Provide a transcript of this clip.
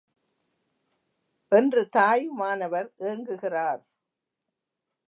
என்று தாயுமானவர் ஏங்குகிறார்.